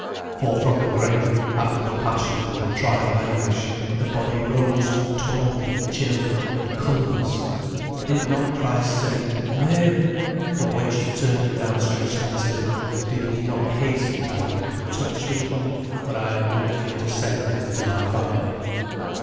For from the grave, after the passion and the trial of anguish, the body rose torn and chill and colourless. Did not Christ say, "Mary!" and when she turned with outstretched hands to him, did he not hasten to add, "Touch me not; for I am not yet ascended to my father."